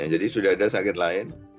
jadi sudah ada sakit lain